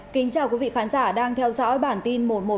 cảm ơn các bạn đã theo dõi